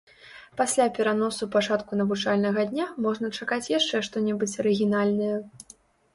Пасля пераносу пачатку навучальнага дня можна чакаць яшчэ што-небудзь арыгінальнае.